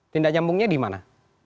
tindak nyambungnya di mana